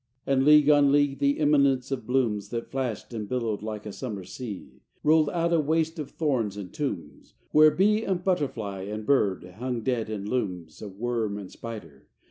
XIII And league on league the eminence of blooms, That flashed and billowed like a summer sea, Rolled out a waste of thorns and tombs; where bee And butterfly and bird hung dead in looms XIV Of worm and spider.